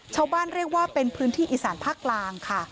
ชาวบ้านเรียกว่าเป็นพื้นที่อีสานภาคกลางค่ะ